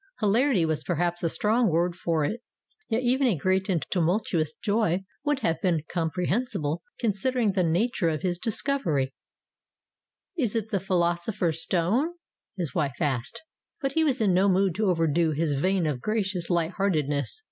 Hilarity was perhaps a strong word for it. Yet even a great and tumultuous joy would have been comprehensible considering the nature of his discovery. "Is it the philosopher's stone?" his wife asked. 321 322 STORIES WITHOUT TEARS But he was in no mood to overdo his vein of gra cious light heartedness.